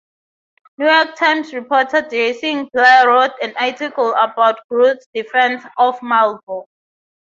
New York Times reporter Jayson Blair wrote an article about Groot's defense of Malvo.